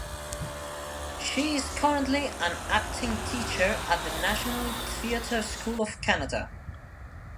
She is currently an acting teacher at the National Theatre School of Canada.